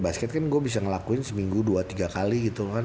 basket kan gue bisa ngelakuin seminggu dua tiga kali gitu kan